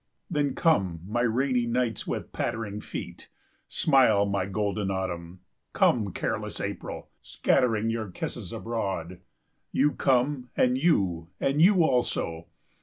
Then, come, my rainy nights with pattering feet; smile, my golden autumn; come, careless April, scattering your kisses abroad. You come, and you, and you also!